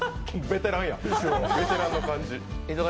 ベテランの感じ。